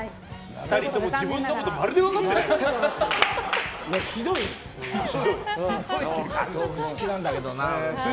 ２人とも自分のことまるで分かってない。